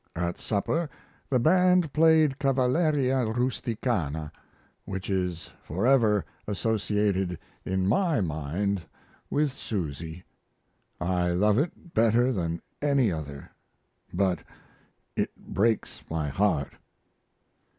At supper the band played "Cavalleria Rusticana," which is forever associated in my mind with Susy. I love it better than any other, but it breaks my heart.